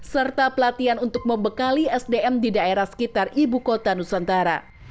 serta pelatihan untuk membekali sdm di daerah sekitar ibu kota nusantara